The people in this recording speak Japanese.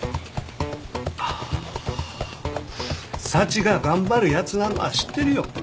ああーサチが頑張るやつなのは知ってるよ